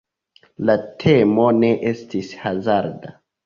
La temo ne estis hazarda.